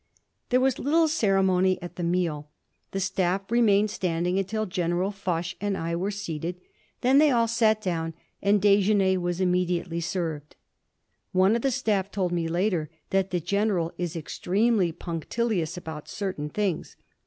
There was little ceremony at the meal. The staff remained standing until General Foch and I were seated. Then they all sat down and déjeuner was immediately served. One of the staff told me later that the general is extremely punctilious about certain things.